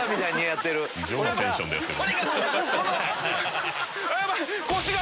異常なテンションでやってる。